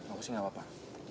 aku sih gak apa apa